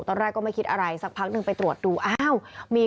ตอนแรกก็ไม่คิดอะไรสักพักหนึ่งไปตรวจดูอ้าวมี